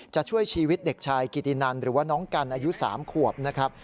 จะช่วยชีวิตเด็กชายกิตินันหรือว่าน้องกันอายุ๓ขวบนะครับ